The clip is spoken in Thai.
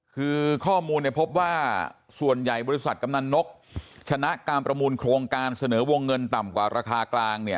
คือข้อมูลเนี่ยพบว่าส่วนใหญ่บริษัทกำนันนกชนะการประมูลโครงการเสนอวงเงินต่ำกว่าราคากลางเนี่ย